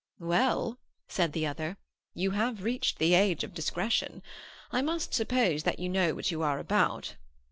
"Well," said the other, "you have reached the age of discretion. I must suppose that you know what you are about."